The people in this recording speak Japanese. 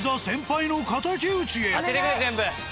当ててくれ全部。